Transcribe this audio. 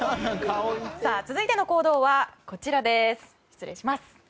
続いての行動はこちらです。